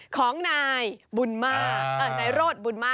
ของนายบุญมานายโรธบุญมา